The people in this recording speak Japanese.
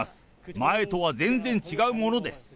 前とは全然違うものです。